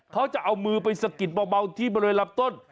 เขาจะเอามือไปสะกิดเบาที่บริเวณลำต้น